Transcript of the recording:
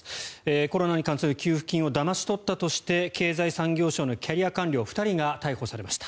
コロナに関する給付金をだまし取ったとして経済産業省のキャリア官僚２人が逮捕されました。